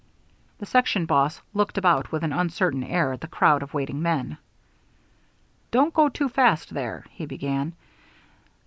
The section boss looked about with an uncertain air at the crowd of waiting men. "Don't go too fast there " he began.